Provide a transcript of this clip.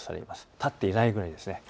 立っていられないくらいですね。